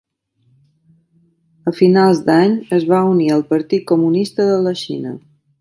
A finals d'any es va unir al Partit Comunista de la Xina.